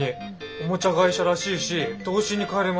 おもちゃ会社らしいし童心に返れますし。